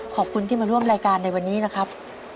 ขอบคุณที่มาร่วมรายการในวันนี้นะครับ